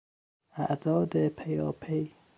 اعداد پیاپی